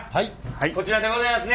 こちらでございますね。